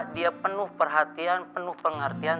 dia penuh perhatian penuh pengertian